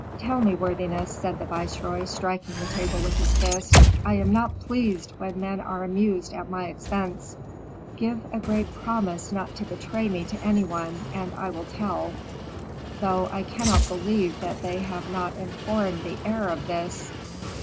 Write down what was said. "Tell me, worthiness," said the viceroy, striking the table with his fist. "I am not pleased when men are amused at my expense." "Give a great promise not to betray me to any one and I will tell, though I cannot believe that they have not informed the heir of this."